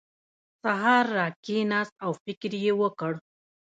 سهار راکېناست او فکر یې وکړ.